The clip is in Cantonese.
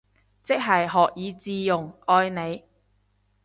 即刻學以致用，愛你